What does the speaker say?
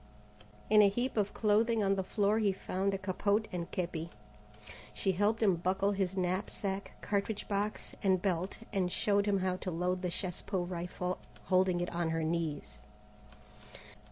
In a heap of clothing on the floor he found a capote and képi. She helped him buckle his knapsack, cartridge box, and belt, and showed him how to load the chasse pot rifle, holding it on her knees.